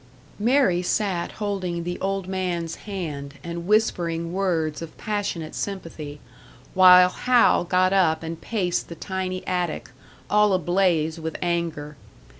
Mary sat holding the old man's hand and whispering words of passionate sympathy, while Hal got up and paced the tiny attic, all ablaze with anger.